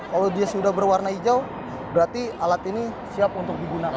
kalau dia sudah berwarna hijau berarti alat ini siap untuk digunakan